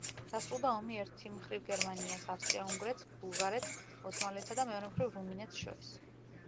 დასრულდა ომი ერთი მხრივ გერმანიას, ავსტრია-უნგრეთს, ბულგარეთს, ოსმალეთსა და, მეორე მხრივ რუმინეთს შორის.